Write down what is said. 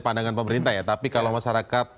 pandangan pemerintah ya tapi kalau masyarakat